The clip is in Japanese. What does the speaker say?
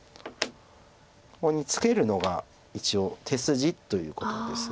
ここにツケるのが一応手筋ということです。